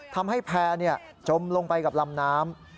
ทำให้แพร่จมลงไปกับลำน้ำ